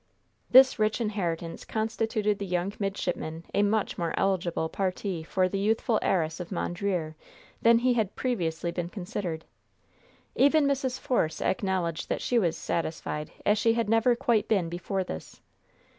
This rich inheritance constituted the young midshipman a much more eligible parti for the youthful heiress of Mondreer than he had previously been considered. Even Mrs. Force acknowledged that she was satisfied as she had never quite been before this.